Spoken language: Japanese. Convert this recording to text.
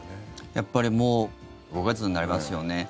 やっぱりもう５か月になりますよね。